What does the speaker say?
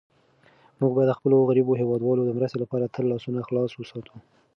موږ باید د خپلو غریبو هېوادوالو د مرستې لپاره تل لاسونه خلاص وساتو.